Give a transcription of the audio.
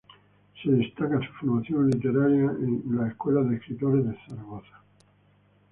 Se destaca su formación literaria en Escuela de Escritores de Zaragoza.